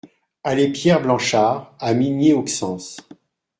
Allée Pierre Blanchard à Migné-Auxances